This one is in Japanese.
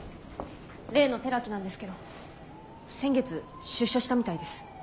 例の寺木なんですけど先月出所したみたいです。